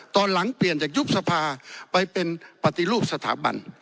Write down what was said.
ตอนหลังเปลี่ยนจากยุบสภาไปเป็นปฏิรูปสถาบัน